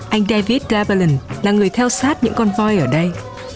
anh david davalan là người theo sát những con voi ở đây